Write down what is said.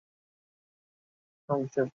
তুমি প্রতিটি পঙ্গু মুক্তিযোদ্ধার অভিমানের সংসার।